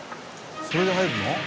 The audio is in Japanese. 「それで入るの？